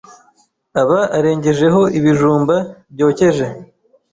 aba arengejeho ibijumba byokeje.